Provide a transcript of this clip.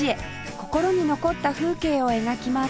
心に残った風景を描きます